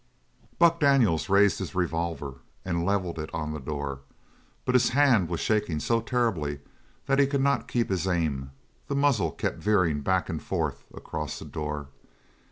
Buck Daniels raised his revolver and levelled it on the door; but his hand was shaking so terribly that he could not keep his aim the muzzle kept veering back and forth across the door.